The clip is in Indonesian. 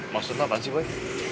maksud apaan sih boy